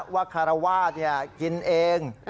ว่าคาราวะนี่กินเอง